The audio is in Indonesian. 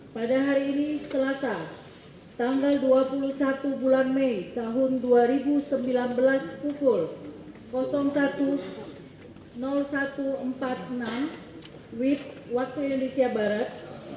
pada hari ini selasa tanggal dua puluh satu bulan mei tahun dua ribu sembilan belas pukul satu empat puluh enam wib waktu indonesia barat